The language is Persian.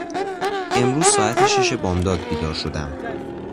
امروز ساعت شش بامداد بیدار شدم.